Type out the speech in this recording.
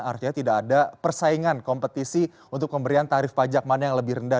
artinya tidak ada persaingan kompetisi untuk pemberian tarif pajak mana yang lebih rendah